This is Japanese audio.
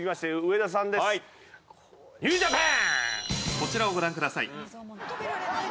「こちらをご覧ください」